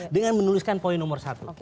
dengan menuliskan poin nomor satu